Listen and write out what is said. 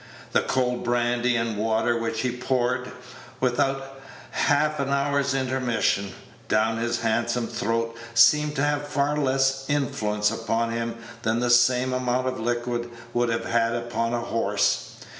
The cold brandy and water which he poured, without half an hour's intermission, down his handsome throat, seemed to have far less influence upon him than the same amount of liquid would have had upon a horse.